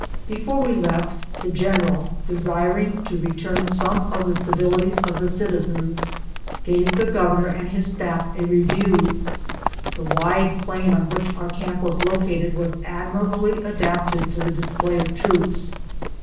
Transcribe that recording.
Before we left, the general, desiring to return some of the civilities of the citizens, gave the governor and his staff a review. The wide plain on which our camp was located was admirably adapted to the display of troops.